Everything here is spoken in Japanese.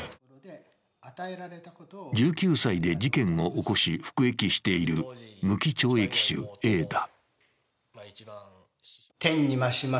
１９歳で事件を起こし、服役している無期懲役囚Ａだ。